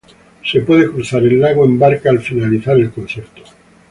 Se puede cruzar el lago en barca al finalizar el concierto.